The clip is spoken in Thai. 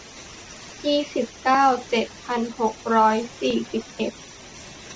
ยี่สิบเก้า เจ็ดพันหกร้อยสี่สิบเอ็ด